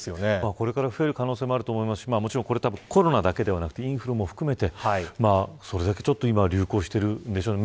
これから増える可能性もあると思いますしコロナだけではなくてインフルも含めてそれだけ今流行しているんでしょうね。